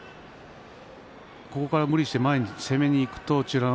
無理して前に攻めにいくと美ノ